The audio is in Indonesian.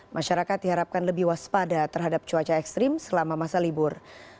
masyarakat diharapkan lebih waspada terhadap cuaca ekstrim selama masa libur